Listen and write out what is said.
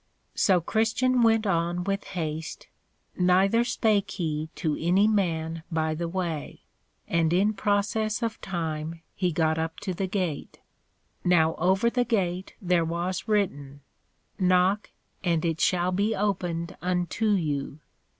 So Christian went on with haste, neither spake he to any man by the way; and in process of time he got up to the Gate. Now over the Gate there was written, _Knock and it shall be opened unto you.